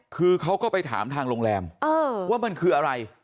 คือเขาก็ไปถามทางโรงแรมว่ามันคืออะไร